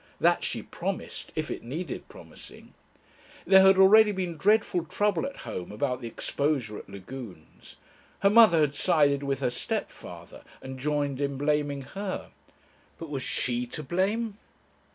That she promised if it needed promising. There had already been dreadful trouble at home about the exposure at Lagune's. Her mother had sided with her stepfather and joined in blaming her. But was she to blame?